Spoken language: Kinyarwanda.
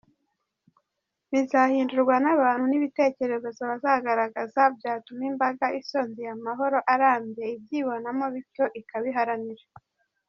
Bizahindurwa n’abantu n’ibitekerezo bazagaragaza byatuma imbaga isonzeye amahoro arambye ibyibonamo bityo ikabiharanira.